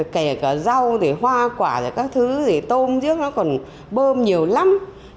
kể cả rau hoa quả các thứ tôm giếc nó còn bơm nhiều lắm